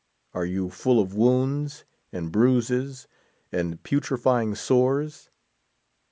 Are you full of wounds, and bruises, and putrefying sores?